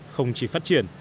không chỉ phát triển